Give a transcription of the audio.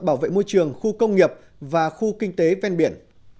bảo vệ môi trường khu công nghiệp và khu kinh tế ven biển